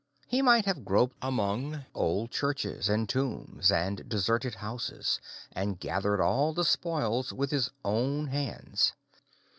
He might have groped among old churches, and tombs, and deserted houses, and gathered all the spoils with his own hands.